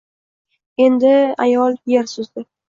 Endi… Ayol yer suzdi